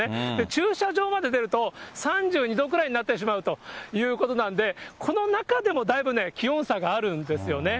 駐車場まで出ると、３２度くらいになってしまうということなんで、この中でもだいぶね、気温差があるんですよね。